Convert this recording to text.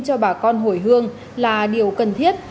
cho bà con hồi hương là điều cần thiết